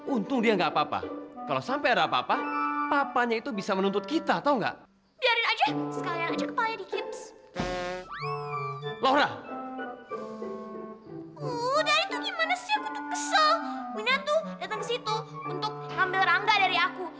untuk ngambil rangga dari aku